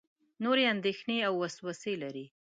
نورې اندېښنې او وسوسې لري.